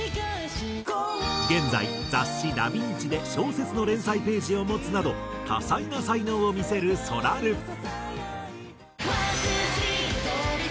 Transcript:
現在雑誌『ダ・ヴィンチ』で小説の連載ページを持つなど多彩な才能を見せるそらる。